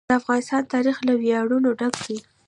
د افغانستان تاریخ له ویاړونو ډک دی.